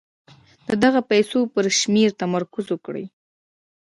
د دغو پيسو پر شمېر تمرکز وکړئ.